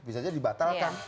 bisa saja dibatalkan